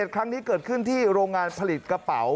ครั้งนี้เกิดขึ้นที่โรงงานผลิตกระเป๋า